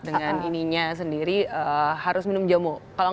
dengan ininya sendiri harus minum jamu